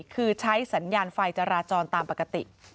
คือใช้สัญญาณไฟจราจรตามปกติ